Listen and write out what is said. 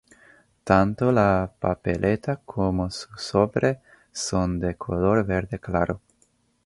Tanto la papeleta como su sobre son de color verde claro.